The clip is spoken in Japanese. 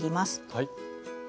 はい。